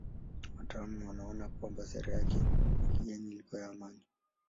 Wataalamu wanaona kwamba sera yake ya kigeni ilikuwa ya amani.